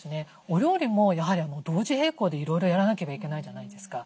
お料理もやはり同時並行でいろいろやらなければいけないじゃないですか。